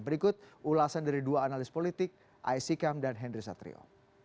berikut ulasan dari dua analis politik aisyikam dan henry satrio